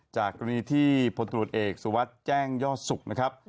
จากกรณีที่พลตรวจเอกสุวัสดิ์แจ้งยอดสุขนะครับ